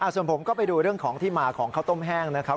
ส่วนผมก็ไปดูเรื่องของที่มาของข้าวต้มแห้งนะครับ